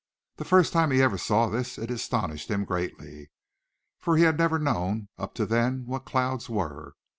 The first time he ever saw this it astonished him greatly, for he had never known up to then what clouds were.